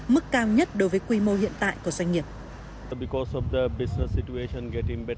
mức cao nhất đối với quy mô hiện tại của doanh nghiệp